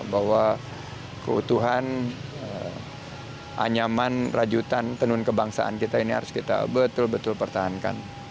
bahwa keutuhan anyaman rajutan tenun kebangsaan kita ini harus kita betul betul pertahankan